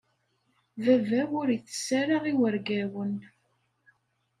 Baba-w ur itess ara iwergawen.